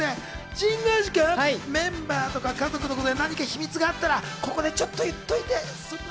神宮寺君、メンバーとか家族とかに秘密があったらここでちょっと言っておいて。